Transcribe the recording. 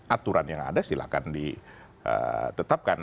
aturan yang ada silahkan ditetapkan